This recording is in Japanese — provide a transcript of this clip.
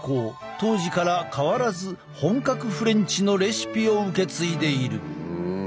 当時から変わらず本格フレンチのレシピを受け継いでいる。